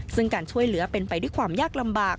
ซึ่งการช่วยเหลือเป็นไปด้วยความยากลำบาก